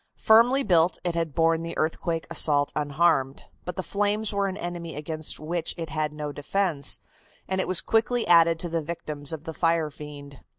Firmly built, it had borne the earthquake assault unharmed, but the flames were an enemy against which it had no defense, and it was quickly added to the victims of the fire fiend.